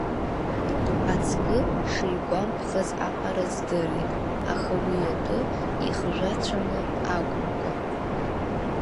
Аҵкы шигәамԥхаз аҟара здырит, аха уи атәы ихжәацәаны акәымкәа.